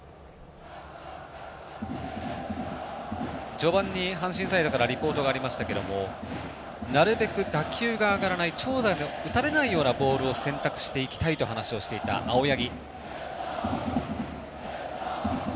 序盤に阪神サイドからリポートがありましたがなるべく打球が上がらない長打を打たれないようなボールを選択していきたいと話をしていた青柳。